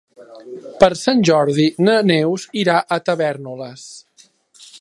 Per Sant Jordi na Neus irà a Tavèrnoles.